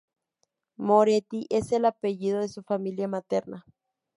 Moretti es el apellido de su familia materna.